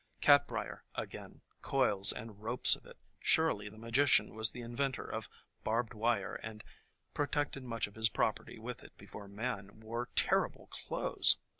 Cat brier again, coils and ropes of it, — surely the Magician was the inventor of barbed wire and protected much of his property with it before man wore tearable clothes!